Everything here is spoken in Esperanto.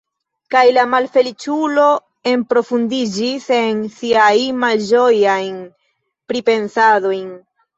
Kaj la malfeliĉulo enprofundiĝis en siajn malĝojajn pripensadojn.